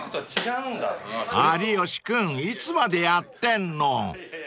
［有吉君いつまでやってんの！］